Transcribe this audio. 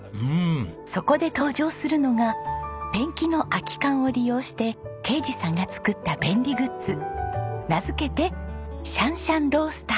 そこで登場するのがペンキの空き缶を利用して啓二さんが作った便利グッズ名付けてシャンシャンロースター！